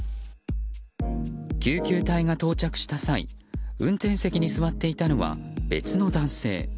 救急隊が到着した際運転席に座っていたのは別の男性。